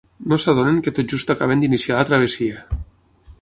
No s'adonen que tot just acaben d'iniciar la travessia.